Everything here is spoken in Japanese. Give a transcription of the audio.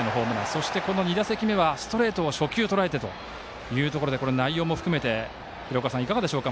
そして２打席目はストレートを初球とらえてというところで内容も含めて、廣岡さんいかがでしょうか？